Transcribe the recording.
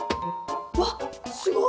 わっすごっ！